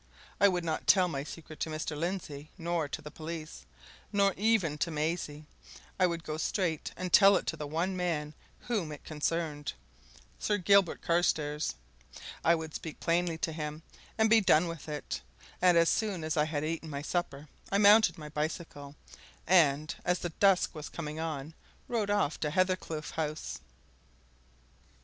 I would not tell my secret to Mr. Lindsey, nor to the police, nor even to Maisie. I would go straight and tell it to the one man whom it concerned Sir Gilbert Carstairs. I would speak plainly to him, and be done with it. And as soon as I had eaten my supper, I mounted my bicycle, and, as the dusk was coming on, rode off to Hathercleugh House.